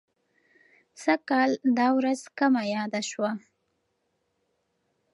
سږ کال دا ورځ کمه یاده شوه.